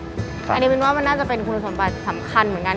อันนี้มินว่ามันน่าจะเป็นคุณสมบัติสำคัญเหมือนกัน